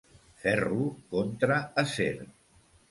Ferro contra acer.